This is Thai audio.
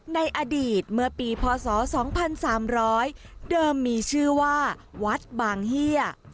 ในอดีตเมื่อปีพศ๒๓๐๐เดิมมีชื่อว่าวัดบางเฮีย